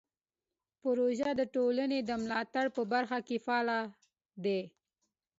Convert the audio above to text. پروژه د ټولنې د ملاتړ په برخه کې فعال دی.